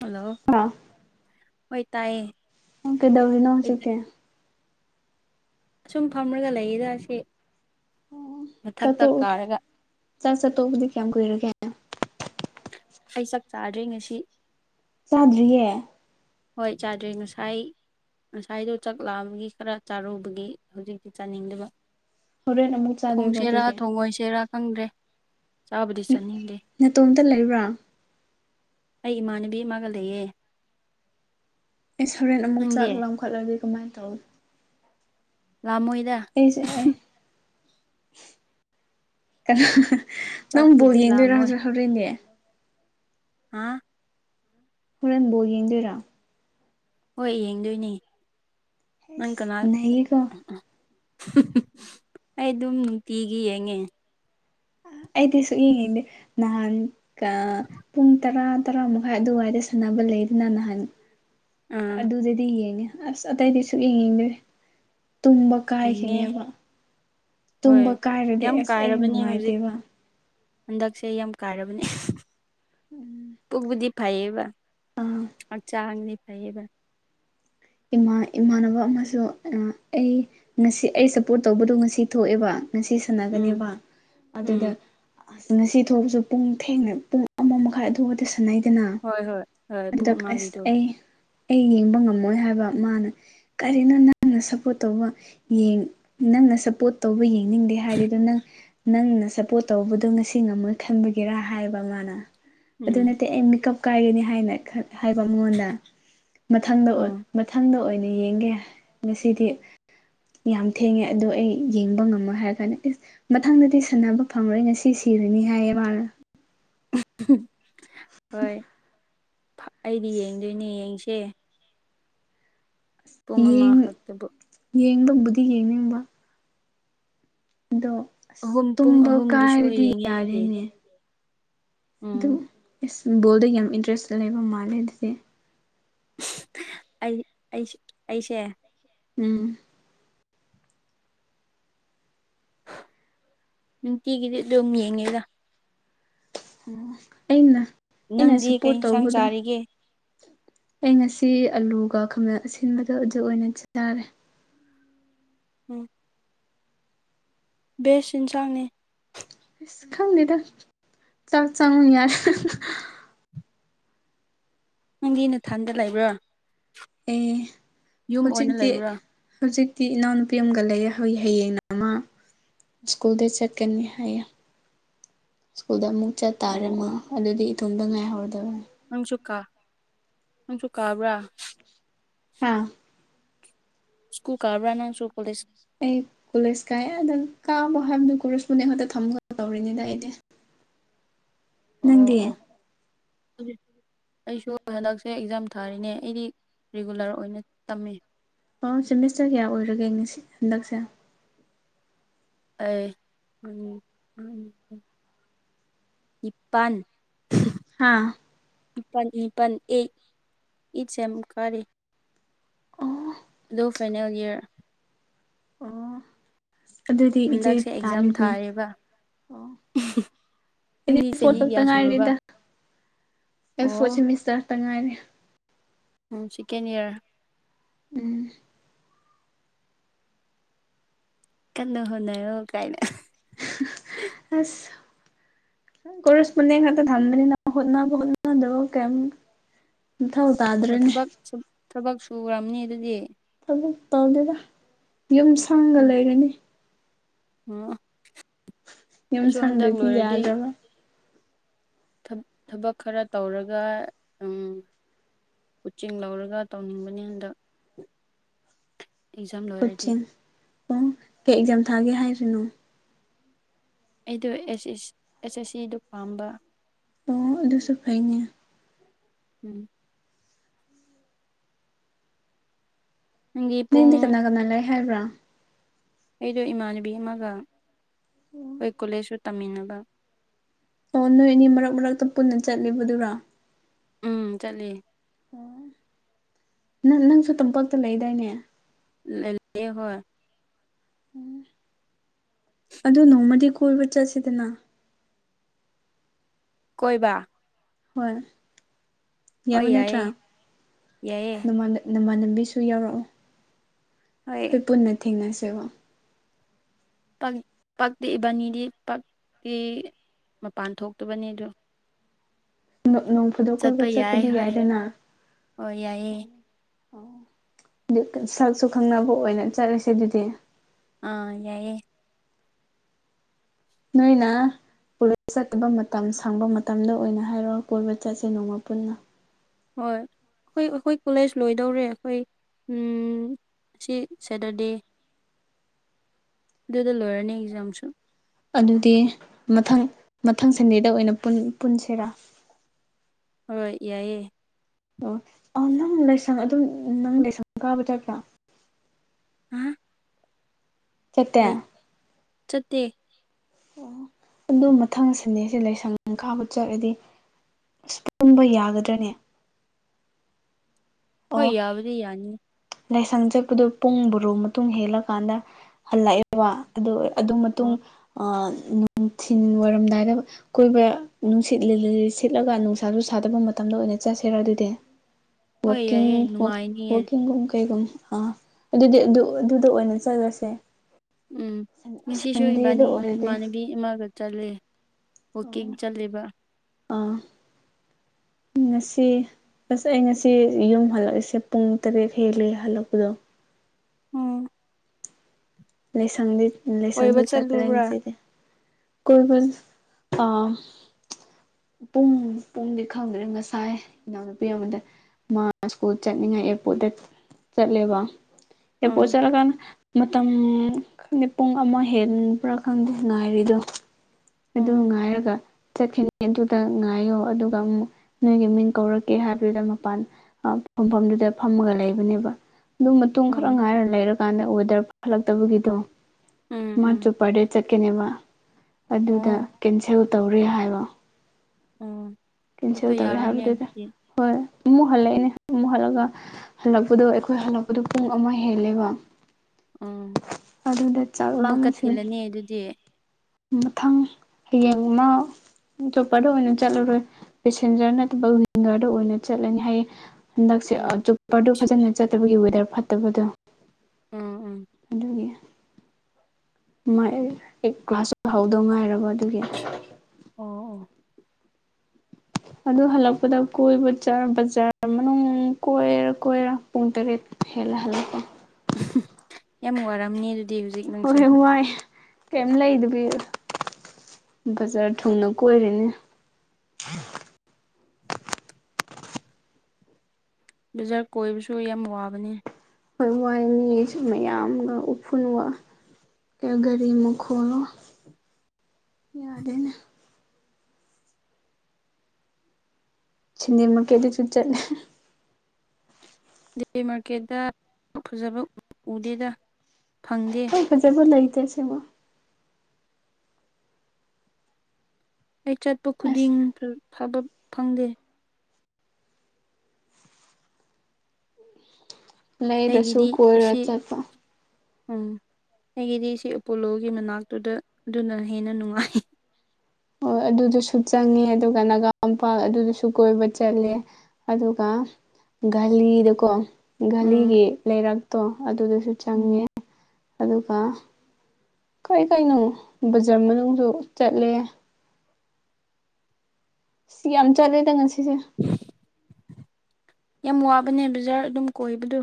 ꯍꯥꯜꯂꯣ [inaudible] ꯑꯣꯏ ꯇꯥꯏꯌꯦ ꯅꯪ ꯀꯩꯗꯧꯔꯤꯅ ꯍꯧꯖꯤꯛꯇꯤ ꯑꯁꯨꯝ ꯐꯝꯔꯒ ꯂꯩꯔꯤꯗ ꯁꯤ ꯆꯥꯛ ꯃꯊꯛꯇ ꯇꯣꯛ ꯀꯥꯔꯒ ꯆꯥꯛ ꯆꯥ ꯇꯣꯛꯄꯗꯤ ꯀꯌꯥꯝ ꯀꯨꯏꯔꯒꯦ ꯑꯩ ꯆꯥꯛ ꯆꯥꯗꯔꯤ ꯉꯁꯤ ꯆꯥꯗ꯭ꯔꯤꯌꯦ ꯍꯣꯏ ꯆꯥꯗ꯭ꯔꯤ ꯉꯁꯥꯏ ꯉꯁꯥꯏꯗꯣ ꯆꯥꯛꯂꯥꯛꯑꯕꯒꯤ ꯈꯔ ꯆꯥꯔꯨꯕꯒꯤ ꯍꯧꯖꯤꯛꯇꯤ ꯆꯥꯅꯤꯡꯗꯕ ꯍꯣꯔꯦꯟ ꯑꯃꯨꯛ ꯆꯥꯗꯣꯏꯕ ꯊꯣꯡꯁꯦꯔꯥ ꯑꯗꯨꯗꯤ ꯊꯣꯡꯑꯣꯣꯏꯁꯦꯔꯥ ꯈꯪꯗ꯭ꯔꯦ ꯆꯥꯕꯗꯤ ꯆꯥꯅꯤꯡꯗꯦ ꯅꯇꯣꯝꯇ ꯂꯩꯕ꯭ꯔꯥ ꯑꯩ ꯏꯃꯥꯟꯅꯕꯤ ꯑꯃꯒ ꯂꯩꯌꯦ ꯑꯦ ꯁꯣꯔꯦꯟ ꯑꯃꯨꯛ ꯅꯪꯗꯤ ꯆꯥꯛ ꯂ ꯂꯧꯈꯠꯂꯗꯤ ꯀꯃꯥꯏꯅ ꯇꯧꯅꯤ ꯂꯃꯣꯏꯗ ꯑꯩꯁꯨ ꯀ [inaudible] ꯅꯪꯕꯨꯕꯣꯜ ꯆꯥꯛꯄꯨꯗꯤ ꯌꯦꯡꯗꯣꯏꯔꯥ ꯂꯥꯝꯃꯣꯏ ꯍꯧꯖ ꯍꯧꯔꯛꯗꯤ ꯍꯥꯥ ꯍꯣꯔꯟꯐꯧ ꯌꯦꯡꯗꯣꯏꯔꯥ ꯍꯣꯏ ꯌꯦꯡꯗꯣꯏꯅꯤ ꯅꯪ ꯑꯦꯁ ꯀꯅꯥ ꯅꯩꯌꯦꯀꯣ ꯎ ꯑꯩ ꯑꯗꯨꯝ ꯅꯨꯡꯇꯤꯒꯤ ꯌꯦꯡꯉꯦ ꯑꯩꯗꯤ ꯁꯨ ꯌꯦꯡꯉꯤꯗ ꯅꯍꯥꯟꯒ ꯄꯨꯡ ꯇꯔꯥ ꯇꯔꯥ ꯃꯈꯥꯏ ꯑꯗꯨꯋꯥꯏꯗ ꯁꯥꯟꯅꯕ ꯂꯩꯗꯅ ꯅꯍꯥꯟ ꯑꯥ ꯑꯗꯨꯗꯗꯤ ꯌꯦꯡꯉꯦ ꯑꯁ ꯑꯇꯩꯗꯤ ꯁꯨꯛ ꯌꯦꯡꯅꯤꯡꯗꯦ ꯇꯨꯝꯕ ꯌꯦꯡꯉꯦ ꯀꯥꯏꯈꯤꯅꯦꯕ ꯍꯣꯏ ꯇꯨꯝꯕ ꯀꯥꯏꯔꯗꯤ ꯌꯥꯝ ꯑꯁ ꯑꯩ ꯀꯥꯏꯔꯕꯅꯦ ꯍꯧꯖꯤꯛ ꯅꯨꯡꯉꯥꯏꯇꯦꯕ ꯍꯟꯗꯛꯁꯦ ꯌꯥꯝ ꯀꯥꯔꯕꯅꯦ ꯄꯨꯛꯕꯨꯗꯤ ꯐꯩꯌꯦꯕ ꯑꯥ ꯑ ꯆꯥꯡꯒꯅꯤ ꯄꯥꯏꯌꯦꯕ ꯏꯃꯥ ꯏꯃꯥꯟꯅꯕ ꯑꯃꯁꯨ ꯑꯩ ꯉꯁꯤ ꯑꯩ ꯁꯞꯄꯣꯔꯠ ꯇꯧꯕꯗꯣ ꯉꯁꯤ ꯊꯣꯛꯑꯦꯕ ꯉꯁꯤ ꯎꯝ ꯁꯥꯟꯅꯒꯅꯦꯕ ꯎꯝ ꯑꯗꯨꯗ ꯅ ꯁꯤ ꯊꯣꯛꯕꯁꯨ ꯄꯨꯡ ꯊꯦꯡꯅ ꯄꯨꯡ ꯑꯃ ꯃꯈꯥꯏ ꯑꯗꯨꯗꯤ ꯈꯅꯩꯗꯅ ꯍꯣꯏ ꯍꯣꯏ ꯍꯣꯏ ꯄꯨꯡ ꯑꯗꯨꯗ ꯑꯁ ꯑꯃꯒꯤꯗꯣ ꯑꯩ ꯑꯩ ꯌꯦꯡꯕ ꯉꯝꯃꯣꯏ ꯍꯥꯏꯕ ꯃꯥꯅ ꯀꯔꯤꯅꯣ ꯅꯪꯅ ꯁꯞꯄꯣꯔꯠ ꯇꯧꯕ ꯅꯪꯅ ꯁꯞꯄꯣꯔꯠ ꯇꯧꯕ ꯌꯦꯡꯅꯤꯡꯗꯦ ꯍꯥꯏꯔꯗꯣ ꯅꯪ ꯅꯪꯅ ꯁꯞꯄꯣꯔꯠ ꯇꯧꯕꯗꯣ ꯉꯁꯤ ꯉꯝꯃꯣꯏ ꯈꯟꯕꯒꯤꯦꯔ ꯍꯥꯏꯕ ꯃꯥꯅ ꯑꯗꯨ ꯎꯝ ꯅꯠꯇꯦ ꯑꯩ ꯃꯤꯀꯞ ꯀꯥꯏꯒꯅꯤ ꯍꯥꯏꯅ ꯍꯥꯏꯕ ꯃꯉꯣꯟꯗ ꯃꯊꯪꯗ ꯑꯥ ꯃꯊꯪꯗ ꯑꯣꯏꯅ ꯌꯦꯡꯒꯦ ꯉꯁꯤꯗꯤ ꯌꯥꯝ ꯊꯦꯡꯉꯦ ꯑꯗꯣ ꯑꯩ ꯌꯦꯡꯕ ꯉꯝꯃ ꯍꯥꯏꯔ ꯀꯥꯟꯗ ꯏꯁ ꯃꯊꯪꯗꯗꯤ ꯁꯥꯟꯅꯕ ꯐꯪꯂꯣꯏ ꯉꯁꯤ ꯁꯤꯔꯅꯤ ꯍꯥꯏꯌꯦ ꯃꯥꯅ ꯍꯣꯏ ꯑꯩꯗꯤ ꯌꯦꯡꯗꯣꯏꯅꯦ ꯌꯦꯡꯁꯦ ꯄꯨꯡ ꯌꯦꯡ ꯑꯃꯈꯛꯇꯕꯨ ꯌꯦꯡꯕꯕꯨꯗꯤ ꯌꯦꯡꯅꯤꯡꯕ ꯑꯗꯣ ꯑꯁ ꯑꯍꯨꯝ ꯄꯨꯡ ꯇꯨꯝꯕ ꯑꯍꯨꯝꯒꯤꯁꯨ ꯀꯥꯏꯔꯗꯤ ꯌꯦꯡꯉꯦ ꯑꯩꯗꯤ ꯌꯥꯔꯦꯅꯦ ꯑꯗꯨꯝ ꯎꯝ ꯏꯁ ꯕꯣꯜꯗ ꯌꯥꯝ ꯏꯟꯇꯔꯦꯁ ꯂꯩꯕ ꯃꯥꯜꯂꯦ ꯑꯗꯨꯗꯤꯦ ꯑꯩ ꯑꯩ ꯑꯩꯁꯦ ꯎꯝ ꯅꯨꯡꯇꯤꯒꯤꯗꯤ ꯑꯗꯨꯝ ꯌꯦꯡꯉꯦꯗ ꯑꯣ ꯑꯩꯅ ꯑꯩꯅ ꯅꯪꯗꯤ ꯀꯩ ꯁꯞꯄꯣꯔꯠ ꯏꯟꯁꯥꯡ ꯇꯧꯕꯗꯣ ꯆꯥꯔꯤꯒꯦ ꯑꯩ ꯉꯁꯤ ꯑꯂꯨꯒ ꯈꯥꯃꯦꯟ ꯑꯁꯤꯟꯕꯗꯣ ꯑꯗꯨꯖꯛ ꯑꯣꯏꯅ ꯆꯥꯔꯦ ꯎꯝ ꯕꯦꯁꯟꯁꯥꯡꯅꯤ ꯈꯪꯗꯗ ꯆꯥꯛ ꯆꯪ ꯌꯥꯔ ꯅꯪꯒꯤ ꯅꯊꯟꯗ ꯂꯩꯕ꯭ꯔꯣ ꯑꯦ ꯍꯧꯖꯤꯗꯤ ꯂꯩꯕ꯭ꯔꯥ ꯍꯧꯖꯤꯛꯇꯤ ꯏꯅꯥꯎꯅꯨꯄꯤ ꯑꯃꯒ ꯂꯩ ꯍꯌꯦꯡ ꯑꯃ ꯁ꯭ꯀꯨꯜꯗ ꯆꯀꯅꯤ ꯍꯥꯏ ꯁ꯭ꯀꯨꯜꯗ ꯑꯃꯨꯛ ꯑꯣ ꯆꯠꯇꯥꯥꯔꯝꯃ ꯑꯣ ꯑꯗꯨꯗꯤ ꯏꯇꯣꯗ ꯉꯥꯏꯍꯧꯔꯗꯕꯅꯤ ꯅꯪꯁꯨ ꯀꯥ ꯅꯪꯁꯨ ꯀꯥꯕ꯭ꯔꯥ ꯍꯥꯥ ꯁ꯭ꯀꯨ ꯀꯥꯕ꯭ꯔꯥ ꯅꯪꯁꯨ ꯀꯂꯦꯖ ꯑꯩ ꯀꯣꯂꯦꯖ ꯀꯥꯏꯑꯦ ꯑꯗꯨꯗꯅ ꯀꯥꯕꯣ ꯍꯥꯏꯕꯗꯨ ꯀꯣꯂꯦꯖꯄꯨꯅꯦ ꯑꯩꯉꯣꯟꯛꯇ ꯊꯝꯒ ꯇꯧꯔꯤꯅꯤꯗ ꯑꯩꯗꯤ ꯑꯣ ꯅꯪꯗꯤ ꯑꯣ ꯑꯩꯁꯨ ꯍꯟꯗꯛꯁꯦ ꯑꯦꯛꯖꯥꯝ ꯊꯥꯔꯤꯅꯦ ꯑꯩꯗꯤ ꯔꯤꯒꯨꯂꯔ ꯑꯣꯏꯅ ꯇꯝꯃꯦ ꯑꯣ ꯁꯦꯃꯤꯁꯇꯔ ꯀꯌꯥ ꯑꯣꯏꯔꯒꯦ ꯉꯁꯤ ꯍꯟꯗꯛꯁꯦ ꯑꯦ ꯎꯝ ꯎꯝ ꯏꯄꯟ ꯍꯥꯥ ꯏꯄꯟ ꯏꯄꯟ ꯏ ꯏꯠꯁꯦꯝ ꯀꯔꯦ ꯑꯣ ꯅꯣ ꯐꯥꯏꯅꯦꯜ ꯏꯌꯔ ꯑꯣ ꯑꯗꯨꯗꯤ ꯏꯆꯦ ꯍꯟꯗꯛꯁꯦ ꯑꯦꯛꯖꯥꯝ ꯇꯥꯂꯤꯗꯤ ꯊꯥꯔꯦꯕ ꯑꯣ ꯑꯩꯅ ꯅꯪꯗꯤ ꯐꯣꯔꯠ ꯆꯍꯤ ꯈꯛꯇ ꯀꯌꯥ ꯁꯨꯔꯕ ꯉꯥꯏꯔꯤꯗ ꯑ ꯑꯣ ꯐꯣꯁꯤ ꯃꯤꯁꯇ ꯈꯛꯇ ꯉꯥꯏꯔꯦ ꯎꯝ ꯁꯤꯀꯦꯟ ꯏꯌꯔ ꯎꯝ ꯀꯟꯅ ꯍꯣꯠꯅꯔꯣ ꯀꯥꯏꯅ ꯑꯁ ꯀꯣꯔꯔꯦꯁꯄꯣꯟꯗꯤꯡ ꯉꯥꯛꯇ ꯊꯥꯖꯤꯟꯕꯅꯤꯅ ꯍꯣꯠꯅꯕ ꯍꯣꯠꯅꯗꯕ ꯀꯏꯝ ꯝꯊꯧ ꯇ ꯝꯊꯕꯛ ꯁꯨ ꯊꯕꯛ ꯁꯨꯔꯝꯅꯤ ꯑꯗꯨꯗꯤ ꯊꯕꯛ ꯇꯧꯗꯦꯗ ꯌꯨꯝ ꯁꯪꯉꯒ ꯂꯩꯔꯅꯤ ꯎꯝ ꯌꯨꯝ ꯑꯩꯁꯨ ꯍꯟꯗꯛ ꯁꯪꯗ꯭ꯔꯗꯤ ꯂꯣꯏꯔꯗꯤ ꯌꯥꯗ꯭ꯔꯕ ꯊꯕ ꯊꯕꯛ ꯈꯔ ꯇꯧꯔꯒ ꯎꯝ ꯎꯆꯤꯡ ꯂꯧꯔꯒ ꯇꯧꯅꯤꯡꯕꯅꯤ ꯍꯟꯗꯛ ꯑꯦꯛꯖꯥꯝ ꯂꯣꯏꯔꯗꯤ ꯀꯣꯆꯤꯡ ꯑꯣ ꯀꯩ ꯑꯦꯛꯖꯥꯝ ꯊꯥꯒꯦ ꯍꯥꯏꯔꯤꯅꯣ ꯑꯩꯗꯣ ꯑꯦꯁ ꯑꯦꯁ ꯑꯦꯁ ꯑꯦꯁ ꯁꯤꯗꯣ ꯄꯥꯝꯕ ꯑꯣ ꯑꯗꯨꯁꯨ ꯐꯩꯅꯦ ꯎꯝ ꯅꯪꯒꯤ ꯄꯨꯡ ꯅꯪꯗꯤ ꯀꯅꯥ ꯀꯅꯥ ꯂꯩ ꯍꯥꯏꯕ꯭ꯔꯥ ꯑꯩꯗꯣ ꯏꯃꯥꯟꯅꯕꯤ ꯑꯃꯒ ꯑꯩ ꯀꯣꯂꯦꯖꯁꯨ ꯇꯝꯃꯤꯟꯅꯕ ꯑꯣ ꯅꯣꯏ ꯑꯅꯤ ꯃꯔꯛ ꯃꯔꯛꯇ ꯄꯨꯟꯅ ꯆꯠꯂꯤꯕꯗꯨꯔꯣ ꯎꯝ ꯆꯠꯂꯤ ꯎꯝ ꯅꯪ ꯅꯪꯁꯨ ꯇꯝꯄꯥꯛꯇ ꯂꯩꯗꯥꯏꯅꯦ ꯂꯜ ꯑꯩ ꯍꯣꯏ ꯎꯝ ꯑꯗꯨ ꯅꯣꯡꯃꯗꯤ ꯀꯣꯏꯕ ꯆꯠꯁꯤꯗꯅ ꯀꯣꯏꯕ ꯍꯣꯏ ꯍꯣꯏ ꯌꯥꯕ ꯅꯠꯇ꯭ꯔꯥ ꯌꯥꯏꯌꯦ ꯌꯥꯏꯌꯦ ꯅꯃꯥꯟꯅ ꯅꯃꯥꯟꯅꯕꯤꯁꯨ ꯌꯥꯎꯔꯛꯑꯣ ꯑꯩ ꯑꯩꯈꯣꯏ ꯄꯨꯟꯅ ꯊꯦꯡꯅꯁꯦꯕ ꯄꯛ ꯄꯥꯛꯇꯦ ꯏꯕꯥꯅꯤꯗꯤ ꯄꯛꯏ ꯃꯄꯥꯟ ꯊꯣꯛꯇꯕꯅꯤ ꯗꯨ ꯅꯣ ꯅꯣꯡꯐꯗꯣꯛ ꯀꯣꯏꯕ ꯆꯠꯄ ꯌꯥꯏ ꯆꯠꯄꯗꯤ ꯍꯣꯏ ꯌꯥꯏꯗꯅ ꯍꯣꯏ ꯌꯥꯏꯌꯦ ꯂꯤꯀ ꯁꯛꯁꯨ ꯈꯪꯅꯕ ꯑꯣꯏꯅ ꯆꯠꯂꯁꯦ ꯑꯗꯨꯗꯤ ꯑꯥ ꯌꯥꯏꯌꯦ ꯅꯣꯏꯅ ꯀꯣꯂꯦꯖ ꯆꯠꯇꯕ ꯃꯇꯝ ꯁꯪꯕ ꯃꯇꯝꯗ ꯑꯣꯏꯅ ꯍꯥꯏꯔꯣ ꯀꯣꯏꯕ ꯆꯠꯁꯦ ꯅꯣꯡꯃ ꯄꯨꯟꯅ ꯍꯣꯏ ꯑꯩꯈꯣꯏ ꯑꯩꯈꯣꯏ ꯀꯣꯂꯦꯖ ꯂꯣꯏꯗꯧꯔꯦ ꯑꯩꯈꯣꯏ ꯎꯝ ꯁꯤ ꯁꯦꯇꯔꯗꯦ ꯗꯨꯗ ꯂꯣꯏꯔꯅꯤ ꯑꯦꯛꯖꯥꯝꯁꯨ ꯑꯗꯨꯗꯤ ꯃꯊꯪ ꯃꯊꯪ ꯁꯟꯗꯦꯗ ꯑꯣꯏꯅ ꯄꯨꯟ ꯄꯨꯟꯁꯤꯔꯥ ꯍꯣꯏ ꯌꯥꯏꯌꯦ ꯑꯣ ꯅꯪ ꯂꯩꯁꯪ ꯑꯗꯨꯝ ꯅꯪ ꯂꯩꯁꯪ ꯀꯥꯕ ꯆꯠꯇꯔ꯭ꯥ ꯍꯥ ꯆꯠꯇꯦ ꯃꯩ ꯆꯠꯇꯦ ꯑꯣ ꯑꯗꯨ ꯃꯊꯪ ꯁꯟꯅꯦꯁꯦ ꯂꯥꯏꯁꯪ ꯀꯥꯕ ꯆꯔꯗꯤ ꯄꯨꯝꯕ ꯌꯥꯒꯗꯅꯦ ꯍꯣꯏ ꯑꯣ ꯌꯥꯕꯗꯤ ꯌꯥꯅꯤ ꯂꯥꯏꯁꯪ ꯆꯠꯄꯗꯨ ꯄꯨꯡ ꯕꯣꯔꯣ ꯃꯇꯨꯡ ꯍꯦꯜꯂꯀꯥꯟꯗ ꯍꯜꯂꯑꯦ ꯋꯥ ꯑꯗꯨ ꯑꯗꯨ ꯃꯇꯨꯡ ꯑꯣ ꯑ ꯅꯨꯡꯊꯤꯟ ꯋꯥꯏꯔꯝꯗꯥꯏꯗ ꯀꯣꯏꯕꯌ ꯅꯨꯡꯁꯤꯠ ꯂꯤꯂꯤꯔꯤ ꯁꯤꯠꯂꯒ ꯅꯨꯡꯁꯥꯖꯨ ꯁꯥꯗꯕ ꯃꯇꯝꯗ ꯑꯣꯏꯅ ꯆꯠꯁꯦꯔ ꯑꯗꯨꯗꯦ ꯍꯣꯏ ꯋꯥꯀꯤꯡ ꯌꯥꯏꯌꯦ ꯋꯥꯛ ꯅꯨꯡꯉꯥꯏꯅꯤꯌꯦ ꯋꯥꯛꯀꯤꯡꯒꯨꯝ ꯀꯩꯒꯨꯝ ꯑꯥ ꯑꯗꯨꯗꯤ ꯑꯗꯨ ꯑꯗꯨꯗ ꯑꯣꯏꯅ ꯆꯠꯔꯁꯦ ꯎꯝ ꯉꯁꯤꯁꯨ ꯏꯕꯥꯅꯤ ꯑꯣꯏꯔꯗꯤ ꯏꯃꯥꯟꯅꯕꯤ ꯏꯃꯥꯒ ꯆꯠꯂꯦ ꯑꯣ ꯋꯀꯤꯡ ꯆꯠꯂꯤꯕ ꯑꯥ ꯉꯁꯤ ꯑꯁ ꯑꯩ ꯉꯁꯤ ꯌꯨꯝ ꯍꯜꯂꯛꯏꯁꯦ ꯄꯨꯡ ꯇꯔꯦꯠ ꯍꯦꯜꯂꯤ ꯍꯜꯂꯛꯄꯗꯣ ꯎꯝ ꯂꯥꯏꯁꯪꯗꯤ ꯀꯣꯏꯕ ꯂꯥꯏꯁꯪꯖꯨ ꯆꯥꯠꯇꯔꯦ ꯆꯠꯂꯨꯕ꯭ꯔꯥ ꯉꯁꯤꯗꯤ ꯀꯣꯏꯕꯟ ꯑ ꯄꯨꯡ ꯄꯨꯡꯗꯤ ꯈꯪꯗ꯭ꯔꯦ ꯉꯁꯥꯏ ꯏꯅꯥꯎꯅꯨꯄꯤ ꯑꯃꯗ ꯃꯥ ꯁ꯭ꯀꯨꯜ ꯆꯠꯅꯤꯡꯉꯥꯏ ꯑꯦꯄꯣꯔꯠꯗ ꯆꯠꯂꯦꯕ ꯑꯦꯔꯄꯣꯔꯠ ꯎꯝ ꯆꯠꯂꯀꯥꯟꯗ ꯃꯇꯝ ꯈꯪꯗꯦ ꯄꯨꯡ ꯑꯃ ꯍꯦꯟꯕꯔꯥ ꯈꯪꯗꯦ ꯉꯥꯏꯔꯤꯗꯨ ꯑꯗꯨ ꯎꯝ ꯉꯥꯏꯔꯒ ꯆꯠꯈꯤꯟ ꯑꯗꯨꯗ ꯉꯥꯏꯌꯣ ꯑꯗꯨꯒ ꯑꯝ ꯅꯣꯏꯒꯤ ꯃꯤꯡ ꯀꯧꯔꯛꯀꯦ ꯍꯥꯏꯕꯗꯨꯗ ꯃꯄꯥꯟ ꯑ ꯐꯝꯐꯝꯗꯨꯗ ꯐꯝꯃꯒ ꯂꯩꯕꯅꯦꯕ ꯑꯗꯨ ꯃꯇꯨꯡ ꯎꯝ ꯈꯔ ꯉꯥꯏꯔ ꯂꯩꯔꯀꯥꯟꯗ ꯑꯣꯗꯔꯞ ꯈꯂꯛꯇꯕꯒꯤꯗꯣ ꯎꯝ ꯃꯥꯆꯨ ꯎꯝ ꯄꯔꯗꯦꯠ ꯆꯠꯀꯅꯦꯃ ꯑꯗꯨꯗ ꯑꯣ ꯀꯦꯟꯁꯦꯜ ꯇꯧꯔꯦ ꯍꯥꯏꯕ ꯑꯣ ꯀꯦꯟꯁꯦꯜ ꯆꯠꯄ ꯇꯧꯔꯦ ꯌꯥꯔꯣꯏꯅꯦ ꯍꯥꯏꯕꯗꯨꯗ ꯑꯗꯨꯗꯤ ꯍꯣꯏ ꯃꯨ ꯍꯜꯂꯑꯦꯅꯦ ꯃꯨ ꯍꯜꯂꯛꯒ ꯍꯜꯂꯛꯄꯗꯣ ꯑꯩꯈꯣꯏ ꯍꯜꯂꯛꯄꯗꯨ ꯄꯨꯡ ꯑꯃ ꯍꯦꯜꯂꯦꯕ ꯎꯝ ꯑꯗꯨꯗ ꯆꯥꯛ ꯂꯥꯝꯃꯁꯤꯅꯤ ꯑꯦ ꯑꯗꯨꯗꯤ ꯃꯊꯪ ꯍꯌꯦꯡꯃ ꯇꯣꯞꯄꯗ ꯑꯣꯏꯅ ꯆꯠꯂꯔꯣꯏ ꯄꯦꯁꯦꯟꯖꯔ ꯅꯠꯇꯕ ꯂꯤꯡꯒꯔꯗ ꯑꯣꯏꯅ ꯆꯠꯂꯅꯤ ꯍꯥꯏꯌꯦ ꯍꯟꯗꯛꯁꯦ ꯑ ꯎꯝ ꯖꯨꯞꯄꯔꯗꯨ ꯐꯖꯅ ꯆꯠꯇꯕꯒꯤ ꯋꯦꯗꯔ ꯐꯠꯇꯕꯗꯣ ꯎꯝ ꯎꯝ ꯑꯗꯨꯒꯤ ꯃꯥꯏ ꯑꯩ ꯑꯦ ꯀ꯭ꯂꯥꯁ ꯍꯧꯗꯧ ꯉꯥꯏꯔꯕ ꯑꯗꯨꯒꯤ ꯑꯣ ꯑꯣ ꯑꯗꯨ ꯍꯜꯂꯛꯄꯗ ꯀꯣꯏꯕ ꯖꯥꯔ ꯕꯖꯥꯔ ꯃꯅꯨꯡ ꯀꯣꯏꯔ ꯀꯣꯏꯔ ꯄꯨꯡꯇꯔꯤꯠ ꯍꯦꯜꯂꯦ ꯍꯜꯂꯛꯄ ꯑꯝꯍꯝ ꯌꯥꯝ ꯋꯥꯔꯝꯅꯤ ꯑꯗꯨꯗꯤ ꯍꯧꯖꯤꯛ ꯅꯪꯁꯦ ꯍꯣꯏꯌꯦ ꯋꯥꯏ ꯀꯩꯏꯝ ꯂꯩꯗꯕꯤ ꯕꯖꯥꯔ ꯊꯨꯡꯅ ꯀꯣꯏꯔꯅꯦ [unintelligible] ꯕꯖꯥꯔ ꯀꯣꯏꯕꯁꯨ ꯌꯥꯝ ꯋꯥꯕꯅꯦ ꯈꯣꯏ ꯋꯥꯏ ꯃꯤꯁꯨ ꯃꯌꯥꯝꯒ ꯎꯐꯨꯟꯋꯥ ꯒꯔꯤ ꯃꯈꯣꯜꯅꯣ ꯌꯥꯗꯦꯅꯦ ꯁꯤꯅꯤꯃ ꯀꯦꯗꯤꯠ ꯂꯨ ꯆꯠꯂꯦ ꯗꯦꯑꯦ ꯃꯥꯔꯀꯦꯠꯗ ꯐꯖꯕ ꯎꯗꯦꯗ ꯐꯪꯗꯦ ꯍꯣꯏ ꯐꯖꯕ ꯂꯩꯇꯦ ꯁꯦꯡꯃ ꯑꯩ ꯆꯠꯄ ꯑꯁ ꯈꯨꯗꯤꯡ ꯐꯕ ꯐꯪꯗꯦ ꯂꯩꯔꯁꯨꯨ ꯑꯩꯒꯤꯗꯤ ꯀꯣꯏꯔ ꯑꯁꯤ ꯆꯠꯄ ꯎꯝ ꯑꯩꯒꯤꯗꯤ ꯁꯤ ꯑꯦꯄꯣꯂꯣꯒꯤ ꯃꯅꯥꯛꯇꯨꯗ ꯑꯗꯨꯅ ꯍꯦꯟꯅ ꯅꯨꯡꯉꯥꯏ ꯍꯣꯏ ꯑꯗꯨꯗꯨꯁꯨ ꯆꯪꯉꯦ ꯑꯗꯨꯒ ꯅꯥꯒꯥ ꯃꯝꯄꯥꯛ ꯑꯗꯨꯗꯨꯁꯨ ꯀꯣꯏꯕ ꯆꯠꯂꯦ ꯑꯗꯨꯒ ꯘꯂꯤꯗꯀꯣ ꯎꯝ ꯘꯂꯤꯒꯤ ꯂꯩꯔꯛꯇꯣ ꯑꯗꯨꯗꯁꯨ ꯎꯝ ꯆꯪꯉꯦ ꯑꯗꯨꯒ ꯀꯔꯤ ꯀꯩꯅꯣ ꯕꯖꯥꯔ ꯃꯅꯨꯡꯁꯨ ꯆꯠꯂꯦ ꯁꯤ ꯌꯥꯝ ꯆꯠꯂꯦꯗ ꯉꯁꯤꯁꯦ ꯌꯥꯝ ꯋꯥꯕꯅꯦ ꯕꯖꯥꯔ ꯑꯗꯨꯝ ꯀꯣꯏꯕꯗꯣ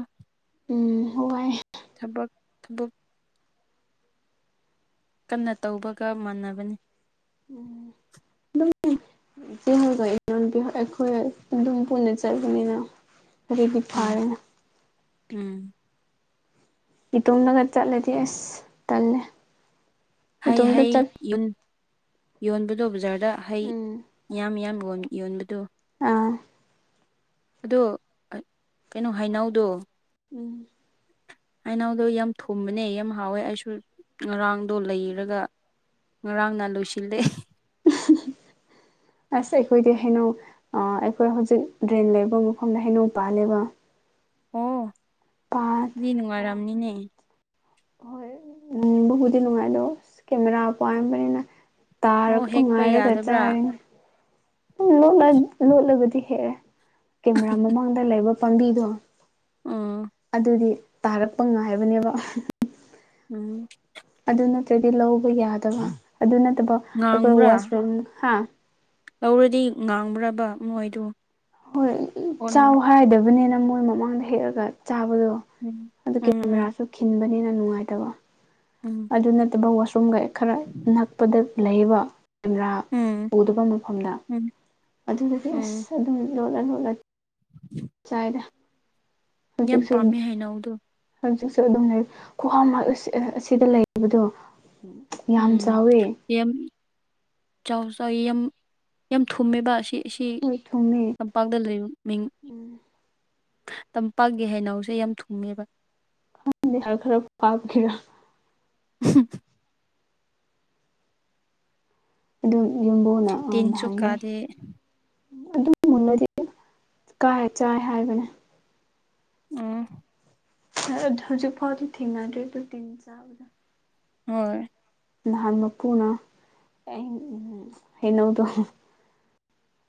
ꯎꯝ ꯋꯥꯢ ꯊꯕꯛ ꯊꯕꯛ ꯀꯟꯅ ꯇꯧꯕꯒ ꯃꯥꯟꯅꯕꯅꯤ ꯎꯝ ꯑꯗꯨꯝ ꯑꯩꯈꯣꯏ ꯑꯗꯨꯝ ꯄꯨꯅ ꯆꯠꯕꯅꯤꯅ ꯇꯔꯤꯕꯤ ꯎꯝ ꯐꯥꯔꯅ ꯎꯝ ꯏꯇꯣꯝꯗꯒ ꯆꯠꯂꯗꯤ ꯑꯁ ꯇꯜꯂꯦ ꯍꯩ ꯏꯇꯣꯝꯇ ꯍꯩ ꯆꯠ ꯌꯣꯟꯕꯗꯣ ꯕꯖꯥꯔꯗ ꯍꯩ ꯎꯝ ꯌꯥꯝ ꯌꯥꯝ ꯌ ꯌꯣꯟꯕꯗꯨ ꯑꯥ ꯑꯗꯣ ꯀꯩꯅꯣ ꯍꯥꯏꯅꯧꯗꯣ ꯎꯝ ꯍꯥꯏꯅꯥꯎꯗꯣ ꯌꯥꯝ ꯊꯨꯝꯕꯅꯦ ꯌꯥꯝ ꯍꯥꯎꯋꯦ ꯑꯩꯁꯨ ꯉꯔꯥꯡꯗꯣ ꯂꯩꯔꯒ ꯉꯔꯥꯡꯅ ꯂꯣꯏꯁꯤꯜꯂꯦ [unintelligible] ꯑꯁ ꯑꯩꯈꯣꯏꯗꯤ ꯍꯩꯅꯧ ꯑꯩꯈꯣꯏ ꯍꯧꯖꯤꯛ ꯗ꯭ꯔꯦꯟ ꯂꯩꯕ ꯃꯐꯝꯗ ꯍꯩꯅꯧ ꯄꯥꯜꯂꯦꯕ ꯑꯣ ꯄꯥꯟ ꯁꯤ ꯅꯨꯡꯉꯥꯏꯔꯝꯅꯤꯅꯦ ꯍꯣꯏꯕꯨꯕꯨꯗꯤ ꯅꯨꯡꯉꯥꯏꯗꯣ ꯀꯦꯃꯦꯔꯥ ꯄꯥꯏꯔꯝꯕꯅꯤꯅ ꯑꯣ ꯇꯥꯔꯛꯄ ꯍꯦꯛꯄ ꯉꯥꯏꯔꯒ ꯌꯥꯗꯕ꯭ꯔꯥ ꯆꯥꯔꯤꯅ ꯠꯂ ꯂꯣꯠꯂꯒꯗꯤ ꯍꯦꯛꯑꯦ ꯀꯦꯃꯦꯔꯥ ꯃꯃꯥꯡꯗ ꯂꯩꯕ ꯄꯥꯝꯕꯤꯗꯣ ꯑꯥ ꯑꯗꯨꯗꯤ ꯇꯥꯔꯛꯄ ꯉꯥꯏꯕꯅꯦꯕ ꯎꯝ ꯑꯗꯨ ꯅꯠꯇ꯭ꯔꯗꯤ ꯂꯧꯕ ꯌꯥꯗꯕ ꯑꯗꯨ ꯅꯠꯇꯕ ꯑꯩꯈꯣꯏ ꯉꯥꯡꯕ꯭ꯔꯥ ꯋꯥꯁꯔꯨꯝ ꯍꯥ ꯂꯧꯔꯗꯤ ꯉꯥꯡꯕ꯭ꯔꯕ ꯃꯣꯏꯗꯨ ꯍꯣꯏ ꯆꯥꯎ ꯑꯣꯟꯅ ꯍꯥꯏꯗꯕꯅꯤꯅ ꯃꯣꯏ ꯃꯃꯥꯡꯗ ꯍꯦꯛꯑꯒ ꯆꯥꯕꯗꯣ ꯎꯝ ꯑꯗꯨ ꯎꯝ ꯀꯦꯃꯦꯔꯥꯁꯨ ꯈꯤꯟꯕꯅꯤꯅ ꯅꯨꯡꯉꯥꯏꯇꯕ ꯎꯝ ꯑꯗꯨ ꯅꯠꯇꯕ ꯋꯥꯁꯔꯨꯝꯒ ꯈꯔ ꯅꯛꯄꯗ ꯂꯩꯕ ꯀꯦꯃꯦꯔꯥ ꯎꯝ ꯎꯝ ꯎꯗꯕ ꯃꯐꯝꯗ ꯎꯝ ꯑꯗꯨꯗꯒꯤ ꯑꯁ ꯑꯗꯨꯝ ꯂꯣꯜꯂ ꯂꯣꯠꯂ ꯎ [unintelligible] ꯆꯗ ꯍꯧꯖꯤꯛꯁꯨ ꯄꯥꯝꯃꯦ ꯍꯩꯅꯧꯗꯣ ꯍꯧꯖꯤꯛꯁꯨ ꯑꯗꯨꯝ ꯂꯩꯔꯤ ꯈꯨꯍ ꯑꯁꯤꯗ ꯂꯩꯕꯗꯣ ꯌꯥꯝ ꯎꯝ ꯆꯥꯎꯋꯦ ꯌꯥꯝ ꯆꯥꯎ ꯆꯥꯎꯋ ꯌꯥꯝ ꯌꯥꯝ ꯊꯨꯝꯃꯦꯕ ꯑꯁꯤ ꯁꯤ ꯍꯣꯏ ꯊꯨꯝꯃꯦ ꯇꯝꯄꯥꯛꯇ ꯂꯩ ꯃꯤꯡ ꯇꯝꯄꯥꯛꯀꯤ ꯍꯩꯅꯎꯁꯦ ꯌꯥꯝ ꯊꯨꯡꯉꯦꯕ ꯈꯔ ꯄꯥꯞꯈꯤꯦꯔꯥꯣ [inaudible] ꯎꯝ [inaudible] ꯑꯗꯨꯝ ꯌꯨꯝꯕꯨꯅ ꯉꯥꯟꯅ ꯇꯤꯟꯁꯨ ꯍꯥꯏꯖꯩ ꯀꯥꯗꯦ ꯑꯗꯨ ꯃꯨꯟꯅꯗꯤ ꯀꯥꯔ ꯆꯥꯏ ꯍꯥꯏꯕꯅꯦ ꯎꯝ ꯍꯧꯖꯤꯛ ꯐꯥꯎꯗ ꯊꯦꯡꯅ ꯑꯗꯨ ꯑꯗꯨ ꯇꯤꯟ ꯆꯕꯗꯣ ꯍꯣꯏ ꯅꯍꯥꯟ ꯃꯄꯨꯅ ꯍꯩꯅꯧꯗꯣ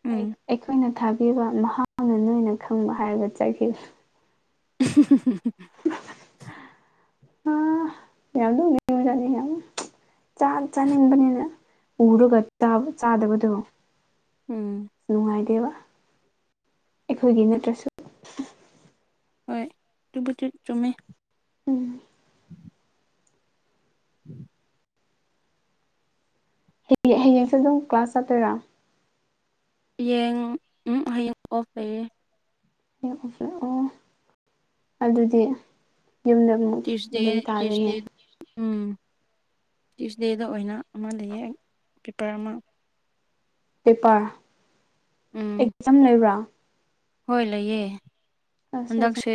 ꯎꯝ ꯑꯩꯈꯣꯏꯅ ꯊꯥꯕꯤꯕ ꯃꯍꯥꯛꯅ ꯅꯣꯏꯅ ꯈꯪꯕ ꯍꯥꯏꯔꯒ ꯆꯠꯈꯤ [inaudible] ꯌꯥꯝ ꯅꯣꯛꯅꯤꯡꯖꯠꯅꯤ ꯆꯥ ꯆꯥꯅꯤꯡꯕꯅꯤꯅ ꯎꯔꯒ ꯆꯥꯗꯕꯗꯣ ꯎꯝ ꯅꯨꯡꯉꯥꯏꯗꯦꯕ ꯑꯩꯈꯣꯏꯒꯤ ꯅꯠꯇ꯭ꯔꯁꯨ ꯍꯣꯏ ꯇꯨꯕꯨꯗꯤ ꯆꯨꯝꯃꯦ ꯎꯝ ꯎꯝ [inaudible] ꯍꯌꯦꯡ ꯍꯌꯦꯡꯁꯦ ꯑꯗꯨꯝ ꯀ꯭ꯂꯥꯁ ꯆꯠꯇꯣꯏꯔꯥ ꯌꯦꯡ ꯍꯌꯦꯡ ꯑꯣꯐ ꯂꯩꯌꯦ ꯌꯦꯡ ꯑꯣꯖꯦ ꯑꯣ ꯑꯗꯨꯗꯤ ꯌꯨꯝꯗ ꯇ꯭ꯌꯨꯁꯦ ꯂꯩ ꯇꯌꯨꯁ ꯇꯥꯔꯦꯅꯦ ꯗꯦ ꯎꯝ ꯇ꯭ꯌꯨꯁꯗꯦꯗ ꯑꯣꯏꯅ ꯑꯃ ꯂꯩꯌꯦ ꯄꯦꯄꯔ ꯑꯃ ꯄꯦꯄꯔ ꯎꯝ ꯑꯦꯛꯖꯥꯝ ꯂꯩꯕ꯭ꯔꯥ ꯍꯣꯏ ꯂꯩꯌꯦ ꯑꯁ ꯍꯟꯗꯛꯁꯦ